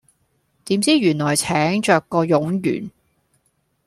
點知原來請著個冗員